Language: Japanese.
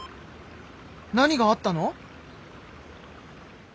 何があったの？